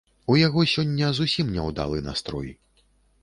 У яго сёння зусім няўдалы настрой.